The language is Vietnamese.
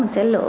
họ cũng là